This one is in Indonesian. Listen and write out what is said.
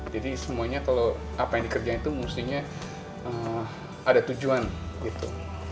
jadi semuanya kalau apa yang dikerjakan itu mestinya ada tujuan gitu